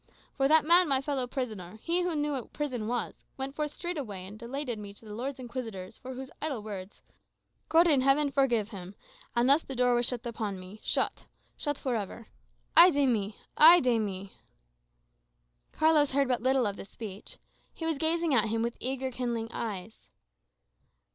For that man, my fellow prisoner, he who knew what prison was, went forth straightway and delated me to the Lords Inquisitors for those idle words God in heaven forgive him! And thus the door was shut upon me shut shut for ever. Ay de mi! Ay de mi!" Carlos heard but little of this speech. He was gazing at him with eager, kindling eyes.